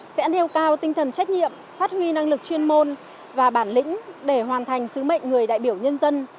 sẽ nêu cao tinh thần trách nhiệm phát huy năng lực chuyên môn và bản lĩnh để hoàn thành sứ mệnh người đại biểu nhân dân